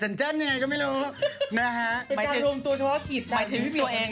หมายถึงพี่โปรขุมลึงไหร่ไหม